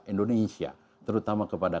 indonesia terutama kepada